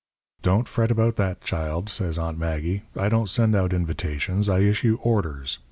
"'Don't fret about that, child,' says Aunt Maggie. 'I don't send out invitations I issue orders.